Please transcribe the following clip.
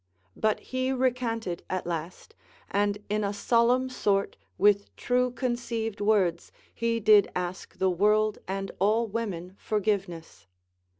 but he recanted at last, and in a solemn sort with true conceived words he did ask the world and all women forgiveness.